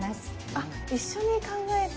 あ一緒に考えて。